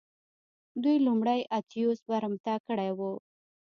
دوی لومړی اتیوس برمته کړی و